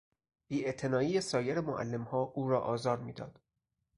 بی اعتنایی سایر معلمها او را آزار میداد.